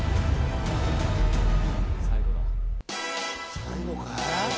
最後かい？